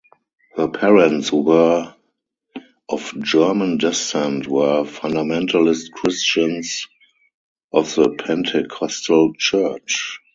Her parents, who were of German descent, were "fundamentalist Christians" of the Pentecostal Church.